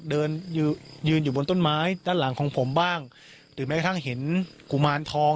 ยืนยืนอยู่บนต้นไม้ด้านหลังของผมบ้างหรือแม้กระทั่งเห็นกุมารทอง